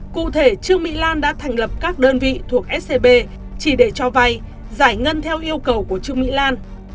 cụ thể trương mỹ lan đã thành lập các đơn vị thuộc scb chỉ để cho vay giải ngân theo yêu cầu của trương mỹ lan